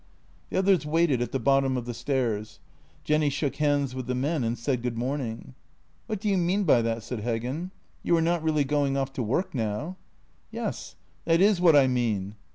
The others waited at the bottom of the stairs. Jenny shook hands with the men and said good morning. "What do you mean by that?" said Heggen. "You are not really going off to work now? "" Yes; that is what I mean."